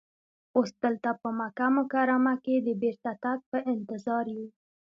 اوس دلته په مکه مکرمه کې د بېرته تګ په انتظار یو.